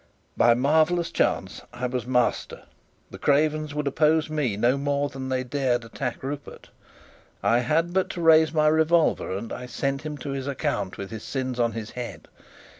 By marvellous chance, I was master. The cravens would oppose me no more than they dared attack Rupert. I had but to raise my revolver, and I sent him to his account with his sins on his head.